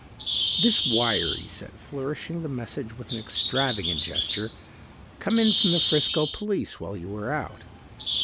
"This wire," he said, flourishing the message with an extravagant gesture, "come in from the Frisco police while you were out.